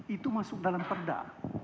itu masuk dalam perda